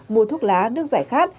mua thuốc lá nước giải khát